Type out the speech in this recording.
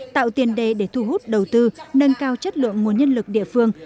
tạo tiền đề để thu hút đầu tư nâng cao chất lượng nguồn nhân lực địa phương